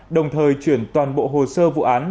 đồng thời chuyển toàn bộ hồ sơ vụ án